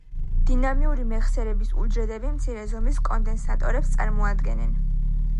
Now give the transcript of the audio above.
დინამიური მეხსიერების უჯრედები მცირე ზომის კონდენსატორებს წარმოადგენენ.